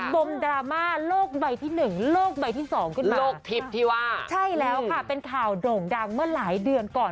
ดมดราม่าโลกใหม่ที่๑โลกใหม่ที่๒ขึ้นมาครับใช่แล้วค่ะเป็นข่าวโด่งดังเมื่อหลายเดือนก่อน